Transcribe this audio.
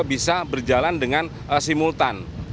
bisa berjalan dengan simultan